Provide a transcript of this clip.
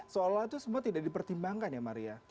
seolah olah itu semua tidak dipertimbangkan ya maria